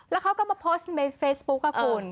แล้วเขาก็มาโพสต์ในเฟซบุ๊คค่ะคุณ